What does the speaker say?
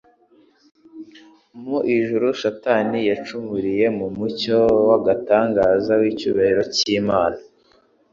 Mu ijuru Satani yacumuriye mu mucyo w'agatangaza w'icyubahiro cy'Imana.